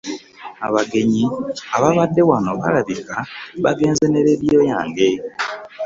Abagenyi abaabadde wano balabika baagenze ne leediyo yange.